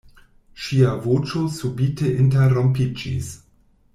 Ŝia voĉo subite interrompiĝis.